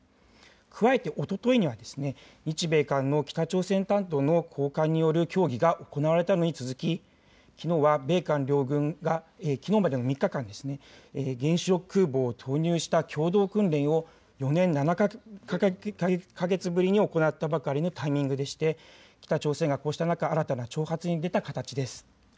加えておとといには日米韓の北朝鮮担当の高官による協議が行われたのに続ききのうは米韓両軍が、きのうまでの３日間ですね、原子力空母を投入した共同訓練を４年７か月ぶりに行ったばかりのタイミングでして北朝鮮がこうした中、新たな挑発に出た形です。